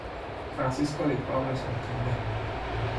Francisco de Paula Santander.